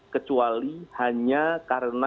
kecuali hanya karena